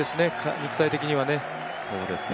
肉体的にはね。